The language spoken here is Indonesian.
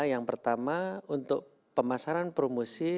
yang pertama untuk pemasaran promosi